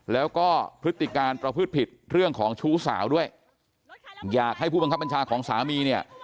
แล้วก็พฤติการประพฤติผิดเรื่องของชู้สาวด้วยอยากให้ผู้บังคับบัญชาของสามีเนี่ย